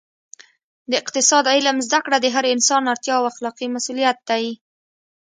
د اقتصاد علم زده کړه د هر انسان اړتیا او اخلاقي مسوولیت دی